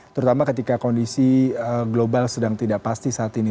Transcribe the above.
terutama ketika kondisi global sedang tidak pasti saat ini